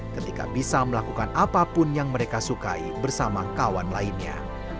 ketika bisa melakukan apapun yang mereka sukai bersama kawan lainnya